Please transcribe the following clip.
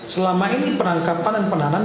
selama ini penangkapan dan penahanan